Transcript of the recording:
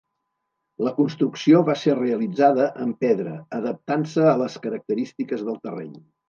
La construcció va ser realitzada en pedra adaptant-se a les característiques del terreny.